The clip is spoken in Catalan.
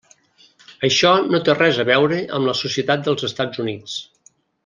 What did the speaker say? Això no té res a veure amb la societat dels Estats Units.